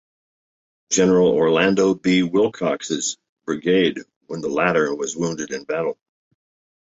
General Orlando B. Willcox's brigade when the latter was wounded in battle.